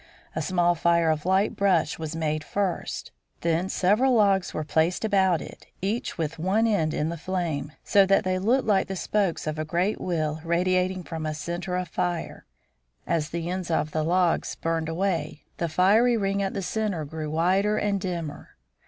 A small fire of light brush was made first. Then several large logs were placed about it, each with one end in the flame, so that they looked like the spokes of a great wheel radiating from a center of fire. As the ends of the logs burned away, the fiery ring at the center grew wider and dimmer.